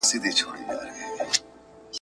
د هویت تعریف کوي